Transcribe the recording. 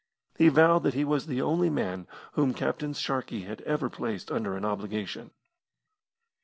He vowed that he was the only man whom Captain Sharkey had ever placed under an obligation.